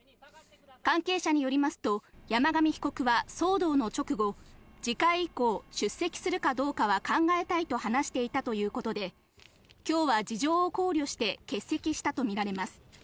関係者によりますと、山上被告は騒動の直後、次回以降、出席するかどうかは考えたいと話していたということで、きょうは事情を考慮して欠席したと見られます。